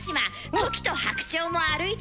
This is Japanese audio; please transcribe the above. トキと白鳥も歩いてた。